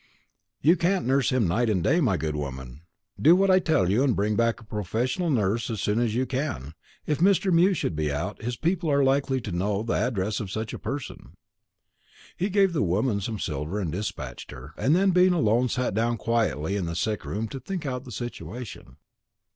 "You can't nurse him night and day, my good woman. Do what I tell you, and bring back a professional nurse as soon as you can. If Mr. Mew should be out, his people are likely to know the address of such a person." He gave the woman some silver, and despatched her; and then, being alone, sat down quietly in the sick room to think out the situation.